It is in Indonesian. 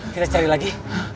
kita cari lagi